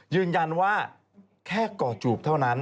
ยืนยันว่าแค่ก่อจูบเท่านั้น